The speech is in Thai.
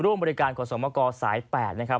ร่วมบริการขอสมกสาย๘นะครับ